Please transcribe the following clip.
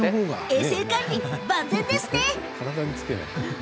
衛生管理万全ですね。